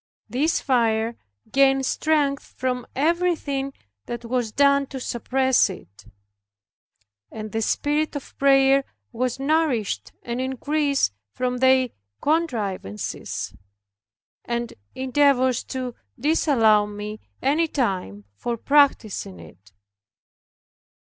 This fire gained strength from everything that was done to suppress it. And the spirit of prayer was nourished and increased from their contrivances and endeavors to disallow me any time for practicing it.